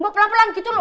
pelan pelan gitu loh